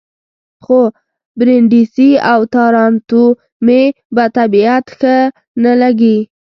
خو برېنډېسي او تارانتو مې په طبیعت ښه نه لګي.